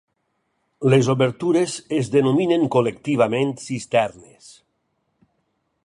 Les obertures es denominen col·lectivament cisternes.